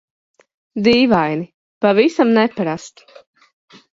Dīvaini, pavisam neparasti..